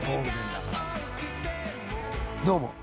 どうも。